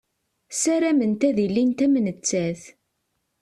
Ssarament ad ilint am nettat.